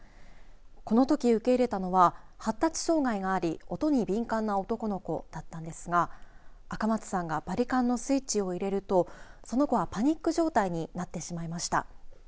このとき受け入れたのは発達障害があり、音に敏感な男の子だったんですが赤松さんがバリカンのスイッチを入れるとその子はパニック状態になってしまいました。